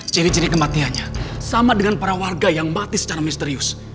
ciri ciri kematiannya sama dengan para warga yang mati secara misterius